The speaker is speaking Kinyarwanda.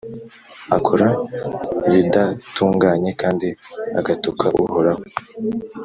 akora ibidatunganye kandi agatuka Uhoraho,